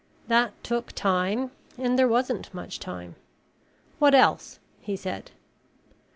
That took time and there wasn't much time. "What else?" he said.